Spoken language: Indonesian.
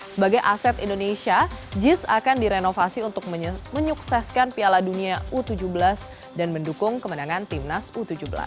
sebagai aset indonesia jis akan direnovasi untuk menyukseskan piala dunia u tujuh belas dan mendukung kemenangan timnas u tujuh belas